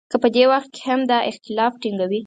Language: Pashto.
که په دې وخت کې هم دا اختلاف ټینګوي.